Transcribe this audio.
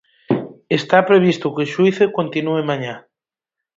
Está previsto que o xuízo continúe mañá.